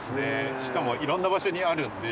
しかも色んな場所にあるので。